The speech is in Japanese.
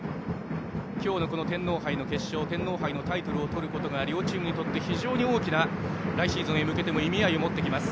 今日の天皇杯の決勝天皇杯のタイトルをとることが両チームにとって非常に大きな来シーズンへ向けての意味合いを持ってきます。